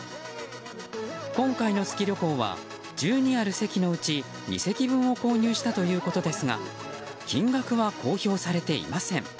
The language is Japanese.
今回の月旅行は１２ある席のうち２席分を購入したということですが金額は公表されていません。